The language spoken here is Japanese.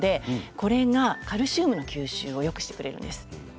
これがカルシウムの吸収をよくしてくれます。